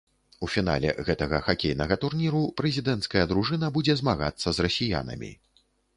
У фінале гэтага хакейнага турніру прэзідэнцкая дружына будзе змагацца з расіянамі.